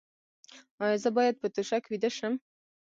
ایا زه باید په توشک ویده شم؟